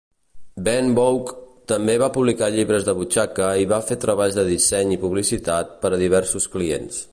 Bengough també va publicar llibres de butxaca i va fer treballs de disseny i publicitat per a diversos clients.